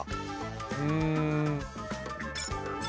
うん。